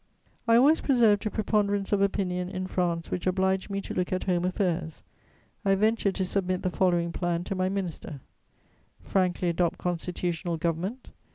I always preserved a preponderance of opinion in France which obliged me to look at home affairs. I ventured to submit the following plan to my minister: "Frankly adopt constitutional government.